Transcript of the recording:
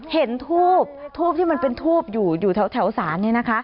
เห็นทูบทูบที่มันเป็นทูบอยู่แถวศาล